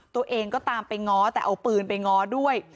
ตัวเองก็ตามไปง้อแต่เอาปืนไปง้อด้วย